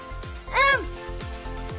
うん！